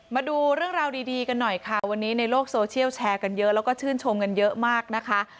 มาดูเรื่องราวดีกันหน่อยค่ะวันนี้ในโลกโซเชียลแชร์กันเยอะแล้วก็ชื่นชมกันเยอะมากนะคะ